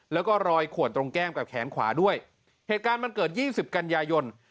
แล้วก็รอยขวดตรงแก้มกับแขนขวาด้วยเหตุการณ์มันเกิดยี่สิบกันยายน